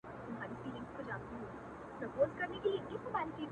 نه د ژړا نه د خندا خاوند دی ـ